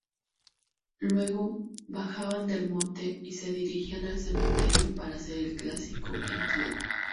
Luego bajaban del monte, y se dirigían al cementerio para hacer el clásico entierro.